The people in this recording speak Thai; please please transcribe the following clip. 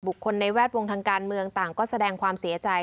คนในแวดวงทางการเมืองต่างก็แสดงความเสียใจ